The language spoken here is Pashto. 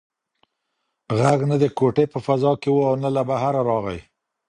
غږ نه د کوټې په فضا کې و او نه له بهره راغی.